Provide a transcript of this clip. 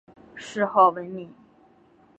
谥号文敏。